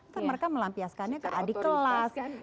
kan mereka melampiaskannya ke adik kelas